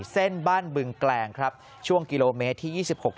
เส้นบ้านบึงแกลงครับช่วงกิโลเมตรที่๒๖๖